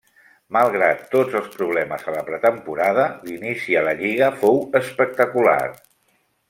Malgrat tots els problemes a la pretemporada, l'inici a la Lliga fou espectacular.